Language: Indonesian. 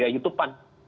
ya itu pan